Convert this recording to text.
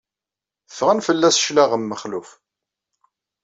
Ffɣen fell-as cclaɣem Mexluf.